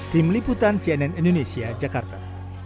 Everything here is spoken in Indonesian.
tim liputan cnn indonesia jakarta